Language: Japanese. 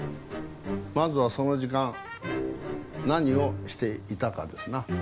まずはその時間何をしていたかですな。